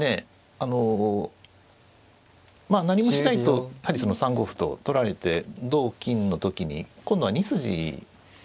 あのまあ何もしないとやはりその３五歩と取られて同金の時に今度は２筋がですね。